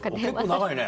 結構長いね。